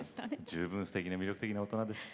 十分、すてきな魅力的な大人です。